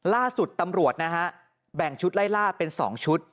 ล่าสุดตำรวจนะฮะแบ่งชุดไล่ล่าเป็น๒ชุด